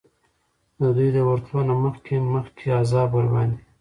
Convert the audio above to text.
د دوی د ورتلو نه مخکي مخکي عذاب ورباندي